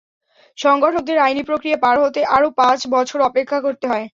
সংগঠকদের আইনি প্রক্রিয়া পার হতে আরও পাঁচ বছর অপেক্ষা করতে হয়।